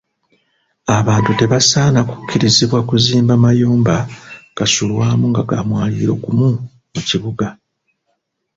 Abantu tebasaana kukkirizibwa kuzimba mayumba gasulwamu nga ga mwaliiro gumu mu kibuga.